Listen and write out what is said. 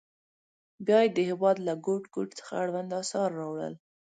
بیا یې د هېواد له ګوټ ګوټ څخه اړوند اثار راوړل.